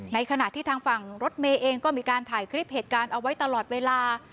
ในขณะที่ทางฝั่งรถเมย์เองก็มีการถ่ายคลิปเหตุการณ์เอาไว้ตลอดเวลา